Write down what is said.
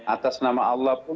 atas nama allah pun